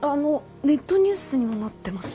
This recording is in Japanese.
ネットニュースにもなってます。